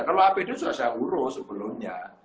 kalau apd sudah saya uruh sebelumnya